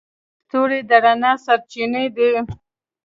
ستوري د رڼا سرچینې دي.